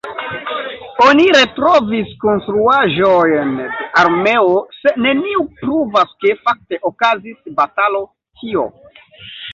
Oni retrovis konstruaĵojn de armeo, se neniu pruvas, ke fakte okazis batalo tio.